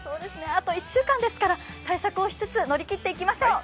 あと１週間ですから、対策をしつつ、乗り切っていきましょう。